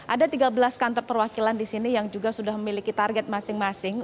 ada tiga belas kantor perwakilan di sini yang juga sudah memiliki target masing masing